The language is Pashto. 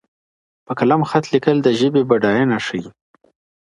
په قلم خط لیکل د ژبي بډاینه ښیي.